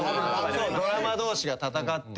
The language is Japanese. ドラマ同士が戦って。